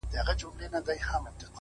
زور او زير مي ستا په لاس کي وليدی؛